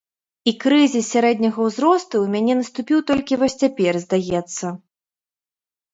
І крызіс сярэдняга ўзросту ў мяне наступіў толькі вось цяпер, здаецца.